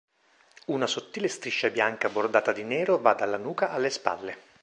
Una sottile striscia bianca bordata di nero va dalla nuca alle spalle.